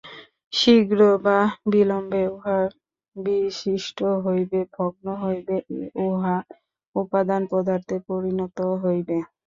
শীঘ্র বা বিলম্বে উহা বিশ্লিষ্ট হইবে, ভগ্ন হইবে, উহা উপাদান-পদার্থে পরিণত হইবে।